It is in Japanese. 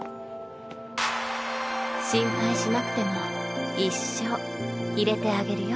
心配しなくても一生いれてあげるよ。